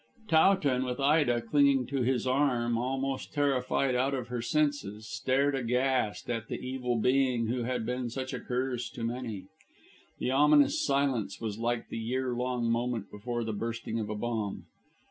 Towton, with Ida clinging to his arm almost terrified out of her senses, stared aghast at the evil being who had been such a curse to many. The ominous silence was like the year long moment before the bursting of a bomb.